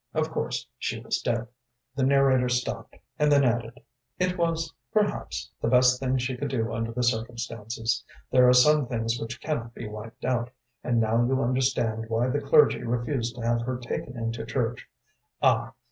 Of course, she was dead.‚ÄĚ The narrator stopped and then added: “It was, perhaps, the best thing she could do under the circumstances. There are some things which cannot be wiped out, and now you understand why the clergy refused to have her taken into church. Ah!